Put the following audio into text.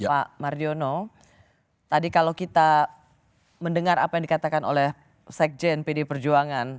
pak mardiono tadi kalau kita mendengar apa yang dikatakan oleh sekjen pd perjuangan